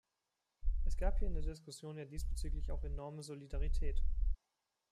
Es gab hier in der Diskussion ja diesbezüglich auch enorme Solidarität.